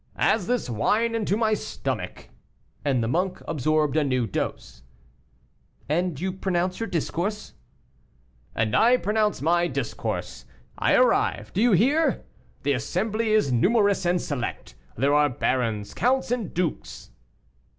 "As this wine into my stomach." And the monk absorbed a new dose. "And you pronounce your discourse?" "And I pronounce my discourse. I arrive do you hear? The assembly is numerous and select. There are barons, counts, and dukes."